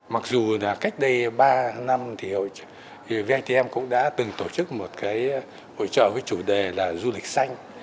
mặc dù là cách đây ba năm thì vatm cũng đã từng tổ chức một cái hội trợ với chủ đề là du lịch xanh